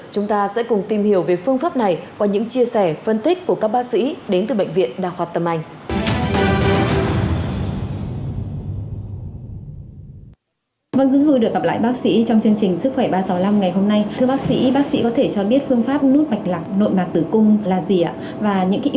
chúng ta sẽ cùng tìm hiểu về phương pháp này qua những chia sẻ phân tích của các bác sĩ đến từ bệnh viện đa khoa tâm anh